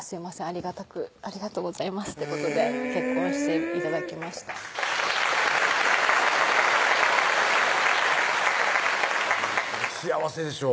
ありがたくありがとうございます」ってことで結婚して頂きました幸せでしょ？